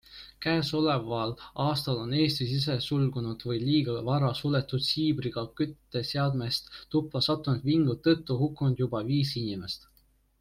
Käesoleval aastal on Eestis isesulgunud või liiga vara suletud siibriga kütteseadmest tuppa sattunud vingu tõttu hukkunud juba viis inimest.